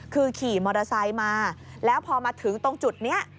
คือขี่มอเตอร์ไซค์มาแล้วพอมาถึงตรงจุดนี้